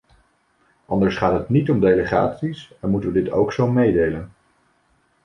Anders gaat het niet om delegaties en moeten we dit ook zo meedelen.